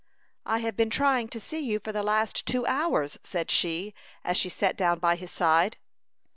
"I have been trying to see you for the last two hours," said she, as she sat down by his side.